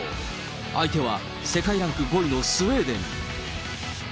相手は世界ランキング５位のスウェーデン。